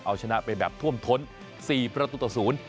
เอาชนะไปแบบท่วมท้น๔ประตูต่อศูนย์